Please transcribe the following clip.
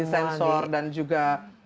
bisa sensor dan juga